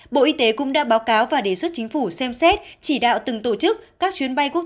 bộ y tế cũng đã báo cáo và đề xuất chính phủ xem xét chỉ đạo từng tổ chức các chuyến bay quốc